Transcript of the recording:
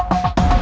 aku kasih tau